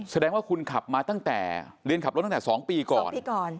แสดงว่าคุณขับมาตั้งแต่เรียนขับรถตั้งแต่๒ปีก่อน